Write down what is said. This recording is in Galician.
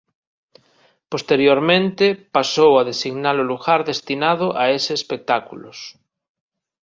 Posteriormente pasou a designar o lugar destinado a ese espectáculos